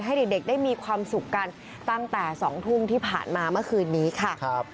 ให้เด็กได้มีความสุขกันตั้งแต่๒ทุ่มที่ผ่านมาเมื่อคืนนี้ค่ะ